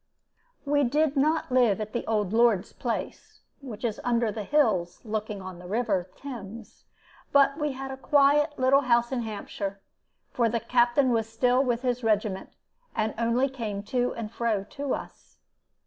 "We did not live at the old lord's place, which is under the hills looking on the river Thames, but we had a quiet little house in Hampshire; for the Captain was still with his regiment, and only came to and fro to us.